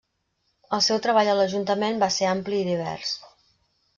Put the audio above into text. El seu treball a l'ajuntament va ser ampli i divers.